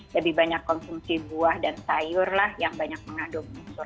lebih banyak konsumsi buah dan sayur lah yang banyak mengaduk maksor air